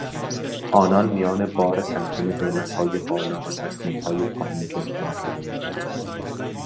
آنان میانبار سنگین قیمتهای بالا و دستمزدهای پایین گرفتار شده بودند.